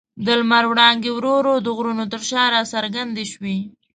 د لمر وړانګې ورو ورو د غرونو تر شا راڅرګندې شوې.